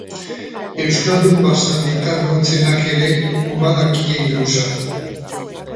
Euskaldun baserritar motzenak ere badakien gauza.